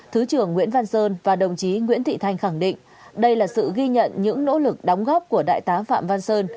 thứ trưởng nguyễn văn sơn và đồng chí nguyễn thị thanh khẳng định đây là sự ghi nhận những nỗ lực đóng góp của đại tá phạm văn sơn